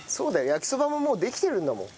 焼きそばももうできてるんだもん。